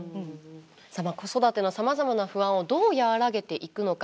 子育てのさまざまな不安をどう和らげていくのか。